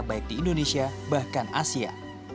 baik di indonesia bahkan asia